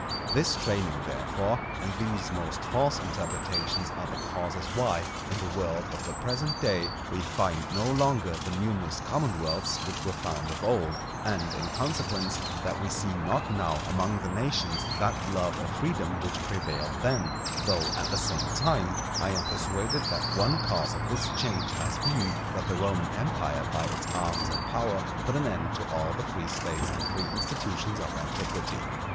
This training, therefore, and these most false interpretations are the causes why, in the world of the present day, we find no longer the numerous commonwealths which were found of old; and in consequence, that we see not now among the nations that love of freedom which prevailed then; though, at the same time, I am persuaded that one cause of this change has been, that the Roman Empire by its arms and power put an end to all the free States and free institutions of antiquity.